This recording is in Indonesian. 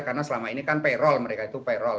karena selama ini kan payroll mereka itu payroll